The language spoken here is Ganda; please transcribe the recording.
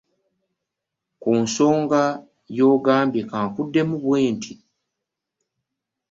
Ku nsonga gy'ogambye ka nkuddemu bwe nti.